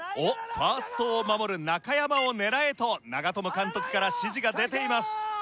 ファーストを守る中山を狙えと長友監督から指示が出ています。